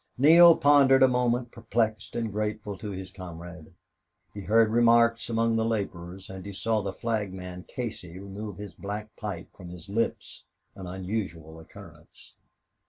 Neale pondered a moment, perplexed, and grateful to his comrade. He heard remarks among the laborers, and he saw the flagman Casey remove his black pipe from his lips an unusual occurrence.